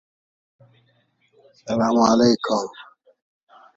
هل تذكرين إذ الركاب مناخة